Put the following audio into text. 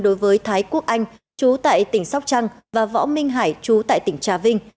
đối với thái quốc anh chú tại tỉnh sóc trăng và võ minh hải chú tại tỉnh trà vinh